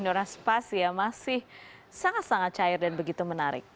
dora spasia masih sangat sangat cair dan begitu menarik